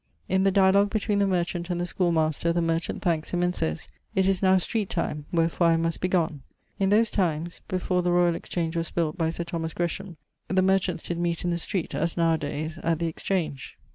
In the dialogue between the merchant and the schoolemaster, the merchant thanks him and sayes 'It is now street time, wherfore I must begonne.' In those times, before the Royal Exchange was built by Sir Thomas Gresham, the merchants did meet in the street as now a dayes at the Exchange.